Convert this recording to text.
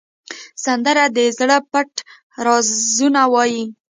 سندره د زړه پټ رازونه وایي